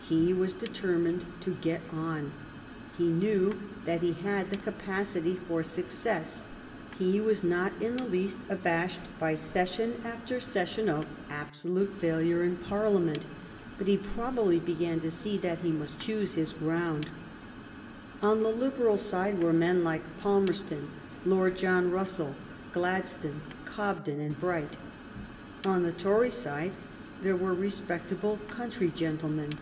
He was determined to get on. He knew that he had the capacity for success. He was not in the least abashed by session after session GLADSTONE AND DISRAELI AS RIVALS l6l of absolute failure in Parliament, but he probably began to see that he must choose his ground. On the Liberal side were men like Palmerston, Lord John Russell, Gladstone, Cobden, and Bright. On the Tory sicie there were respectable country gentlemen.